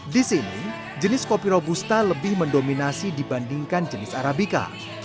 di sini jenis kopi robusta lebih mendominasi dibandingkan jenis arabica